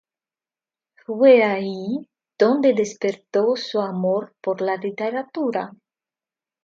Fue allí donde despertó su amor por la literatura.